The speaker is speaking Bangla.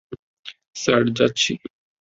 স্যার, যাচ্ছি।